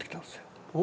お。